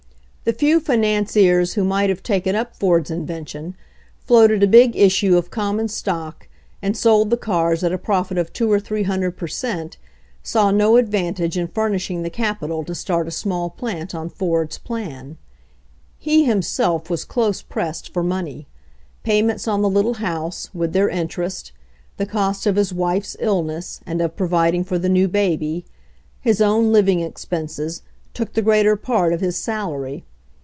The few financiers who might have taken up Ford's invention, floated a big issue of common stock, and sold the cars at a profit of two or three hundred per cent, saw no advantage in furnish ing the capital to start a small plant on Ford's plan. He himself was close pressed for money. Pay ments on the little house, with their interest, the cost of his wife's illness and of providing for the new baby, his own living expenses, took the greater part of his salary.